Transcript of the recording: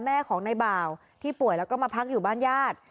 แม่ของในบ่าวที่ป่วยแล้วก็มาพักอยู่บ้านญาติ